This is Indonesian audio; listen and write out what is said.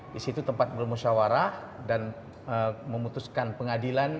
disitu tempat bermusyawarah dan memutuskan pengadilan